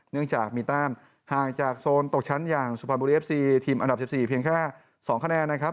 เนื่องจากมีแต้มห่างจากโซนตกชั้นอย่างสุพรรณบุรีเอฟซีทีมอันดับ๑๔เพียงแค่๒คะแนนนะครับ